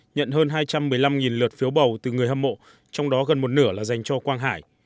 nhận hơn hai trăm một mươi năm lượt phiếu bầu từ người hâm mộ trong đó gần một nửa là dành cho quang hải